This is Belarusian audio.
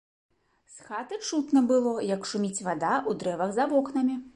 З хаты чутно было, як шуміць вада ў дрэвах за вокнамі.